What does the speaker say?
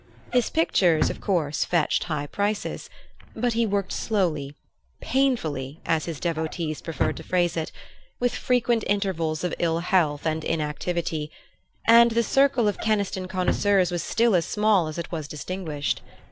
His pictures of course fetched high prices; but he worked slowly "painfully," as his devotees preferred to phrase it with frequent intervals of ill health and inactivity, and the circle of Keniston connoisseurs was still as small as it was distinguished.